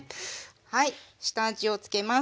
はい下味をつけます。